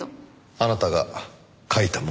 あなたが書いたものじゃない？